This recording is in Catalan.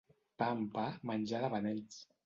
Pa amb pa, menjar de beneits.